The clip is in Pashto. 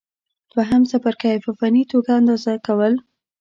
دوهم څپرکی: په فني توګه اندازه کول